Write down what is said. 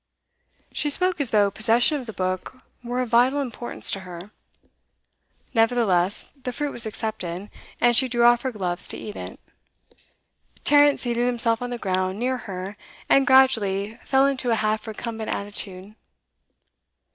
She spoke as though possession of the book were of vital importance to her. Nevertheless, the fruit was accepted, and she drew off her gloves to eat it. Tarrant seated himself on the ground, near her, and gradually fell into a half recumbent attitude.